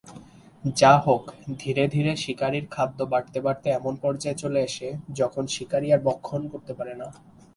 যা হোক, ধীরে ধীরে শিকারীর খাদ্য বাড়তে বাড়তে এমন পর্যায়ে চলে আসে যখন শিকারী আর ভক্ষণ করতে পারে না।